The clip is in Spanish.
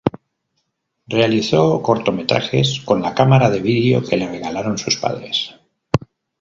Realizó cortometrajes con la cámara de vídeo que le regalaron sus padres.